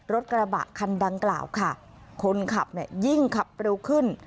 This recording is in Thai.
รถกระบะคันดังกล่าวค่ะคนขับเนี่ยยิ่งขับเร็วขึ้น